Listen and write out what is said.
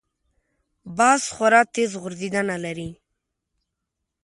باز خورا تېز غورځېدنه لري